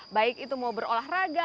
baik itu mau berolahraga